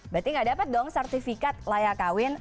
berarti gak dapat dong sertifikat layak kawin